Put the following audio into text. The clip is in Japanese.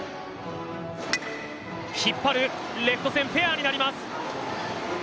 引っ張る、レフト線フェアになります。